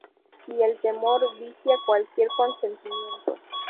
Y el temor vicia cualquier consentimiento.